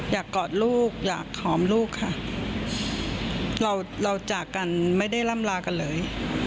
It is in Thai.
กอดลูกอยากหอมลูกค่ะเราเราจากกันไม่ได้ล่ำลากันเลย